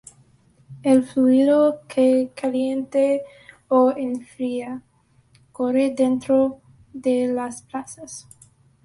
El fluido que calienta o enfría corre dentro de las placas.